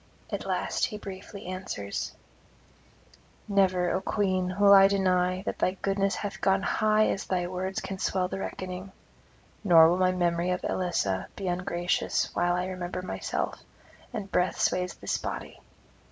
At last he briefly answers: 'Never, O Queen, will I deny that thy goodness hath [335 368]gone high as thy words can swell the reckoning; nor will my memory of Elissa be ungracious while I remember myself, and breath sways this body.